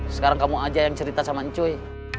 sekarang kamu aja yang cerita sama ncuy